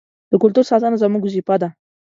د کلتور ساتنه زموږ وظیفه ده.